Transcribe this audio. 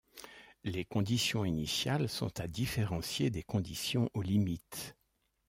Les conditions initiales sont à différencier des conditions aux limites.